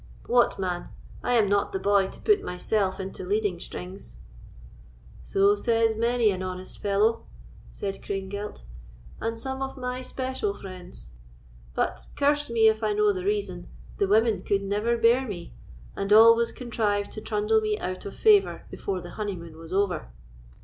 What, man! I am not the boy to put myself into leading strings." "So says many an honest fellow," said Craigengelt, "and some of my special friends; but, curse me if I know the reason, the women could never bear me, and always contrived to trundle me out of favour before the honeymoon was over."